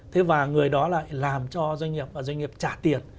thế và người đó lại làm cho doanh nghiệp và doanh nghiệp trả tiền